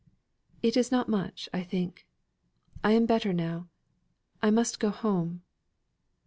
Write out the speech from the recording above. "It is not much, I think. I am better now. I must go home."